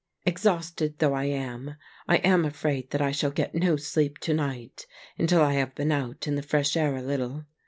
Exhausted though I am, I am afraid that I shall get no sleep to night until I have been out in the fresh air a little.